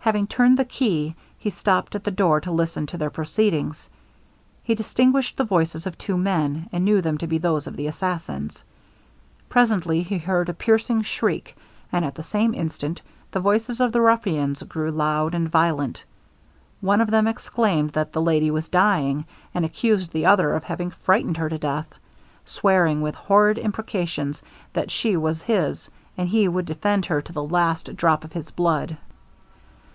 Having turned the key, he stopped at the door to listen to their proceedings. He distinguished the voices of two men, and knew them to be those of the assassins. Presently he heard a piercing skriek, and at the same instant the voices of the ruffians grew loud and violent. One of them exclaimed that the lady was dying, and accused the other of having frightened her to death, swearing, with horrid imprecations, that she was his, and he would defend her to the last drop of his blood.